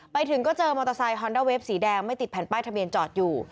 ไปถึงก็เจอมอเตอร์ไซคอนด้าเวฟสีแดงไม่ติดแผ่นป้ายทะเบียนจอดอยู่